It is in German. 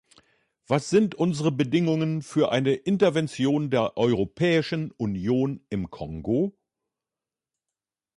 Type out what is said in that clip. Was sind unsere Bedingungen für eine Intervention der Europäischen Union im Kongo?